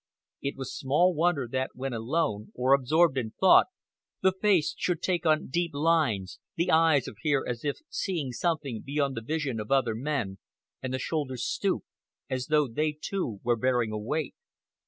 It was small wonder that when alone, or absorbed in thought, the face should take on deep lines, the eyes appear as if seeing something beyond the vision of other men, and the shoulders stoop, as though they too were bearing a weight.